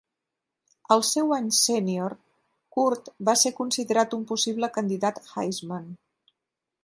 Al seu any sènior, Kurt va ser considerat un possible candidat Heisman.